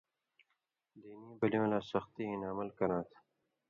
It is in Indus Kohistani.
دینی بلیُوں لا سختی ہِن عمل کراں تھہ۔